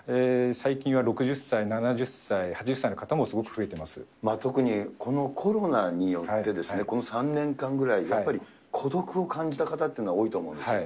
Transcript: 最近は６０歳、７０歳、特にこのコロナによって、この３年間ぐらい、やっぱり孤独を感じた方っていうのは多いと思うんですよね。